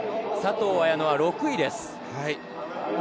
佐藤綾乃は６位です。